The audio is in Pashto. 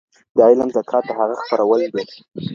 د علم زکات د هغه خپرول دي.